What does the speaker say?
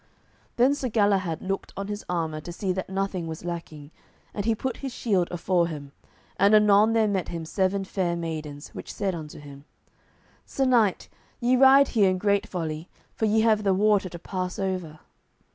Then Sir Galahad looked on his armour to see that nothing was lacking, and he put his shield afore him, and anon there met him seven fair maidens, which said unto him, "Sir knight, ye ride here in great folly, for ye have the water to pass over."